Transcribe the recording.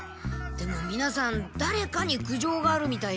でもみなさんだれかに苦情があるみたいで。